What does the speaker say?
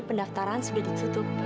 pendaftaran sudah ditutup